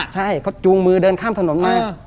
ใช่เขาจูงมือเดินข้ามถนนมา